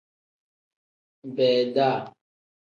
Beeda.